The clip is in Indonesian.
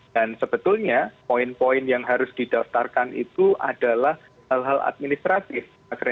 dan sebetulnya poin poin yang harus didaftarkan itu adalah hal hal administratif